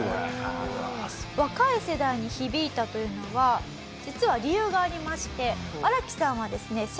若い世代に響いたというのは実は理由がありましてアラキさんはですね